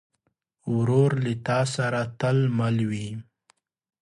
ورور له تا سره تل مل وي.